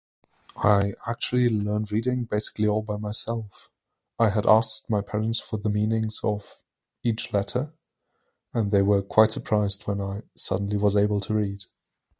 I actually learned reading basically all by myself. I had asked my parents for the meanings of each letter, and they were quite surprised when I suddenly was able to read.